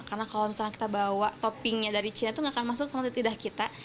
karena kalau misalnya kita bawa toppingnya dari cina tuh gak akan masuk sama titidah kita